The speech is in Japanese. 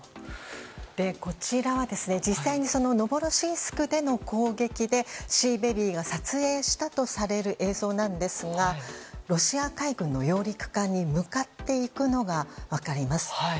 こちらは実際にノボロシースクでの攻撃でシーベビーが撮影したとされる映像なんですがロシア海軍の揚陸艦に向かっていくのが分かります。